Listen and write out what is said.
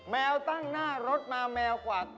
แมวตั้งหน้ารถมาแมวกวาด